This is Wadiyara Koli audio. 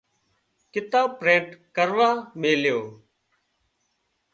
ڪتاب پرنٽ ڪروا هانَ ميلوا۔